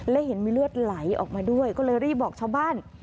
และเห็นมีเลือดไหลออกมาด้วยก็เลยรีบบอกชาวบ้าน